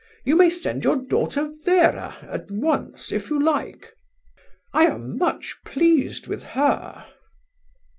You may send your daughter Vera at once, if you like. I am much pleased with her."